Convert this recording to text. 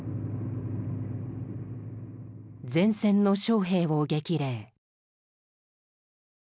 前線の将兵を激励。